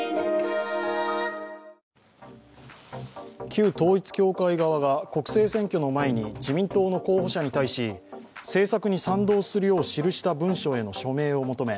旧統一教会側が国政選挙の前に自民党の候補者に対し政策に賛同するよう記した文書への署名を求め